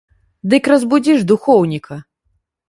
Дык разбудзі ж духоўніка!